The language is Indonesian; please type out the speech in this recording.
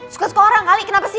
suka suka orang kali kenapa sih